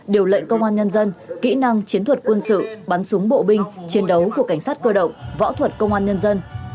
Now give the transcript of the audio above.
điều lệnh công an nhân dân kỹ năng chiến thuật quân sự bắn súng bộ binh chiến đấu của cảnh sát cơ động võ thuật công an nhân dân